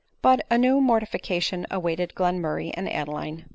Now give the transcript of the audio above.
But a new mortiBcation awaited Glenmurray and Ade line.